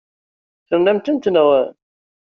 Ternamt-tent, naɣ?